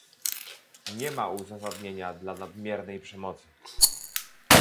Nie ma uzasadnienia dla nadmiernej przemocy